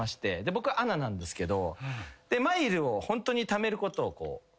僕はＡＮＡなんですけど。